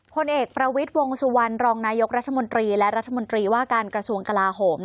พลเอกประวิทย์วงสุวรรณรองนายกรัฐมนตรีและรัฐมนตรีว่าการกระทรวงกลาโหม